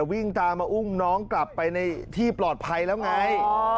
วิ่งตามมาอุ้มน้องกลับไปในที่ปลอดภัยแล้วไง